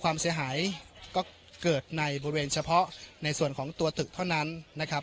ความเสียหายก็เกิดในบริเวณเฉพาะในส่วนของตัวตึกเท่านั้นนะครับ